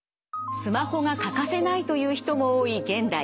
スマホが欠かせないという人も多い現代。